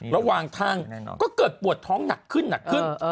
ระหว่างทางก็เกิดปวดท้องหนักขึ้นหนักขึ้น